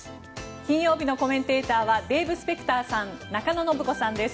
金曜日のコメンテーターはデーブ・スペクターさん中野信子さんです。